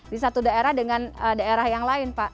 di satu daerah dengan daerah yang lain pak